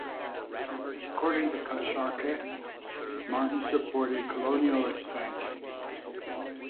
According to Koschorke, Martin supported colonial expansion.